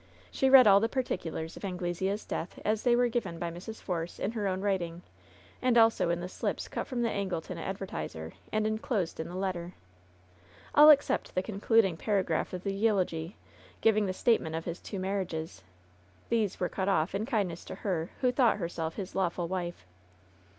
She read all the particulars of Anglesea's death as they were given by Mrs. Force in her own writing, and also in the slips cut from the Angleton Advertiser and inclosed in the letter. All except the concluding paragraph of the eulogy, giving the statement of his two marriages. These were cut off, in kindness to her, who thought herself his lawful wife.